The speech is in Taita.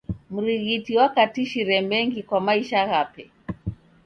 Mrighiti wakatishire mengi kwa maisha ghape.